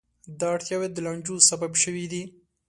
دا اړتیاوې د لانجو سبب شوې دي.